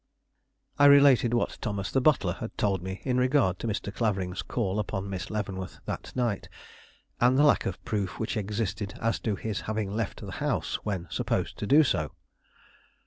I related what Thomas the butler had told me in regard to Mr. Clavering's call upon Miss Leavenworth that night, and the lack of proof which existed as to his having left the house when supposed to do so.